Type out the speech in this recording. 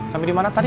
sampai dimana tadi